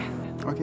aku ga peduli